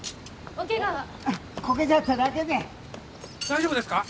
大丈夫ですか？